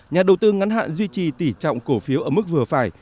nhà đầu tư ngắn hạn duy trì tỉ trọng cổ phiếu ở mức vừa phải